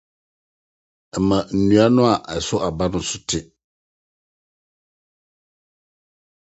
Ɛma nnua a ɛsow aba no so tew.